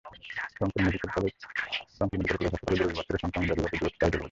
Rangpur medical college হাসপাতালের জরুরি ward থেকে সংক্রামক ব্যাধি ওয়ার্ডের দূরত্ব চার কিলোমিটার।